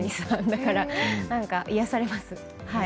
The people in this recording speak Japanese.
だから癒やされます。